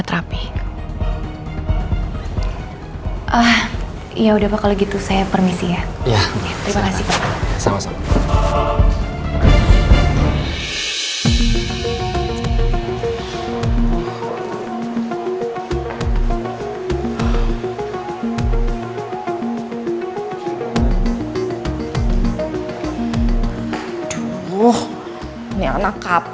terima kasih ma